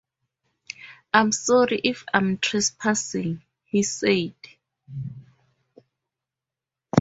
"I'm sorry if I'm trespassing," he said.